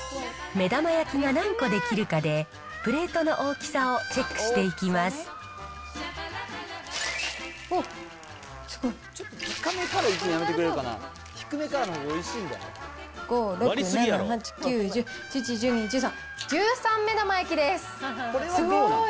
目玉焼きが何個できるかで、プレートの大きさをチェックしておっ、すごい。